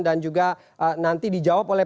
dan juga nanti dijawab oleh